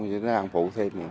cho nó ăn phụ thêm